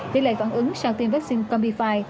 thế lệ phản ứng sau tiêm vaccine combi fi